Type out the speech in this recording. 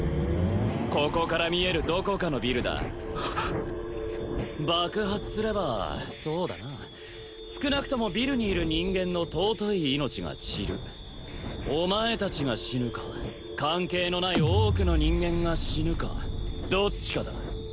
ここから見えるどこかのビルだ爆発すればそうだな少なくともビルにいる人間の尊い命が散るお前達が死ぬか関係のない多くの人間が死ぬかどっちかだ